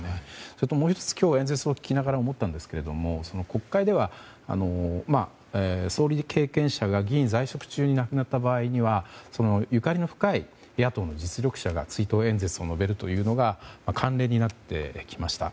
それと、もう１つ今日の演説を聞きながら思ったのは、国会では総理経験者が議員在職中に亡くなった場合にはゆかりの深い野党の実力者が追悼演説を述べるのが慣例になってきました。